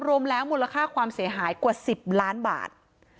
รวมแล้วมูลค่าความเสียหายกว่า๑๐ล้านบาท